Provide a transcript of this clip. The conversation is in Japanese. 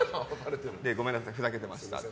ごめんなさい、ふざけてましたと。